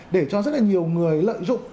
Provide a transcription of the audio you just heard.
để cho rất là nhiều người lợi dụng